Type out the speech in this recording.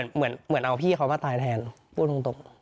เหมือนเอาพี่เขามาตายแทนพูดตรง